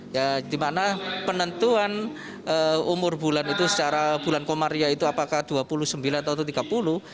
ya dimana penentuan umur bulan itu secara bulan komaria itu apakah dua puluh sembilan atau tiga puluh